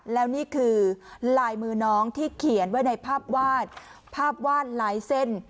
แล้วนี่คือลายมือน้องที่เขียนไว้ในภาพวาดภาพวาดลายเส้น